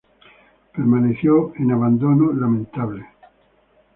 Permaneció en abandono lamentable.